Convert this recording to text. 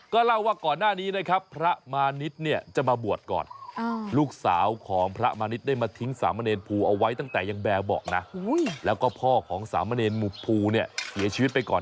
ก็เล่าว่าก่อนหน้านี้นะครับพระมาณิชเนี่ยจะมาบวชก่อน